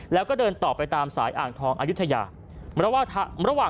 และรถจะต่อไปตามสายอ่างทองอยุธยา